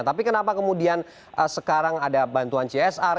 tapi kenapa kemudian sekarang ada bantuan csr